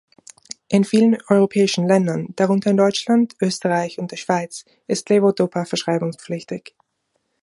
In vielen europäischen Ländern, darunter in Deutschland, Österreich und der Schweiz ist Levodopa verschreibungspflichtig.